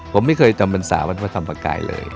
ผมไม่เคยจำบรรษาวัดพระธรรมกายเลย